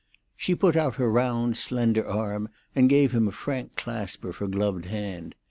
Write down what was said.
She put out her round, slender arm, and gave him a frank clasp of her gloved hand.